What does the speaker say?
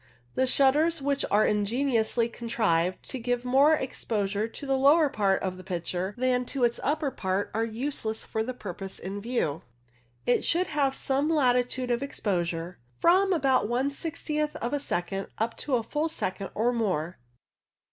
The shutters which are ingeniously con trived to give more exposure to the lower part of the picture than to its upper part are useless for the purpose in view. It should have some latitude of exposure, from about one sixtieth of a second up to a full second or more.